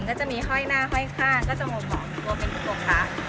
ก็จะมีห้อยหน้าห้อยข้างก็จะงบหอมตัวเป็นทุกโรงพัก